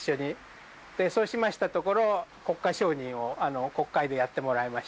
そうしましたところ。を国会でやってもらいました。